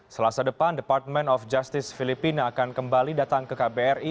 selasa depan department of justice filipina akan kembali datang ke kbri